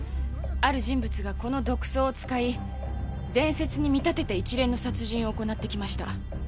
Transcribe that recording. ある人物がこの毒草を使い伝説に見立てて一連の殺人を行ってきました。